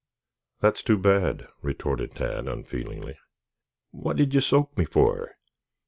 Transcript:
"That's too bad," retorted Tad unfeelingly. "What'd you soak me for?"